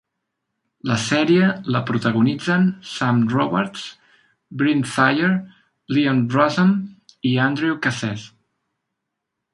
La sèrie la protagonitzen Sam Robards, Brynn Thayer, Leon Russom i Andrew Cassese.